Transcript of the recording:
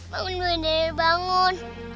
bangun bunda dari bangun